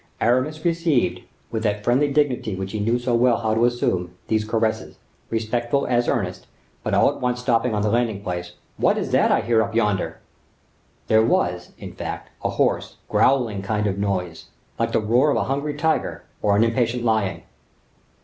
Aramis received, with that friendly dignity which he knew so well how to assume, these caresses, respectful as earnest; but all at once stopping on the landing place, "What is that I hear up yonder?" There was, in fact, a hoarse, growling kind of noise, like the roar of a hungry tiger, or an impatient lion.